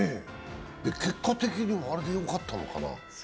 結果的にはあれでよかったのかな？